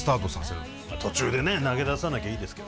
まあ途中でね投げ出さなきゃいいですけど。